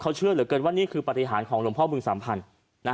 เขาเชื่อเหลือเกินว่านี่คือปฏิหารของหลวงพ่อบึงสามพันธุ์